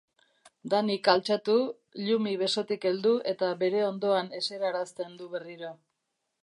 Danik altxatu, Llumi besotik heldu eta bere ondoan eserarazten du berriro.